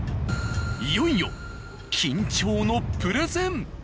いよいよ緊張のプレゼン。